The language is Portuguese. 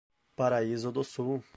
Paraíso do Sul